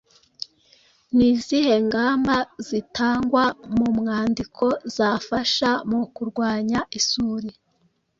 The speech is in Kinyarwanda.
Ni izihe ngamba zitangwa mu mwandiko zafasha mu kurwanya isuri?